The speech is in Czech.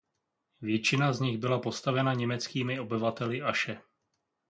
Většina z nich byla postavena německými obyvateli Aše.